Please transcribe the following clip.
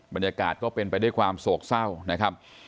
บรรยากาศก็เป็นไปด้วยความโศกเศร้านะครับ